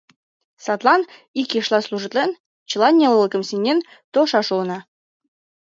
Садлан, ик ешла служитлен, чыла нелылыкым сеҥен толшаш улына.